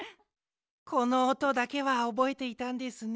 このおとだけはおぼえていたんですね。